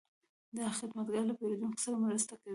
دا خدمتګر له پیرودونکو سره مرسته کوي.